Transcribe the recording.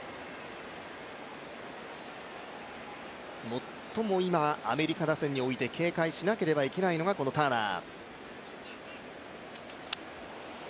最も今、アメリカ打線において警戒しなければならないのがこのターナー。